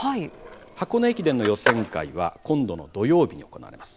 箱根駅伝の予選会は今度の土曜日に行われます